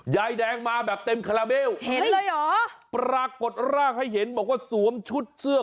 ยายแดงมาแบบเต็มคาราเบลเห็นเลยเหรอปรากฏร่างให้เห็นบอกว่าสวมชุดเสื้อ